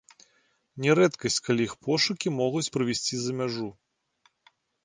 Не рэдкасць, калі іх пошукі могуць прывесці за мяжу.